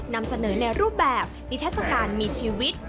นำเสนอในรูปแบบนิทัศกาลมีชีวิต